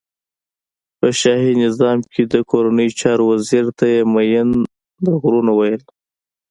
په شاهی نظام کی د کورنیو چارو وزیر ته یی مین د غرونو ویل.